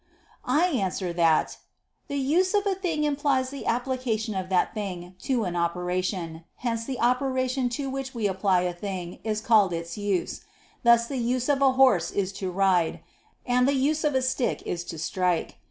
I answer that, The use of a thing implies the application of that thing to an operation: hence the operation to which we apply a thing is called its use; thus the use of a horse is to ride, and the use of a stick is to strike.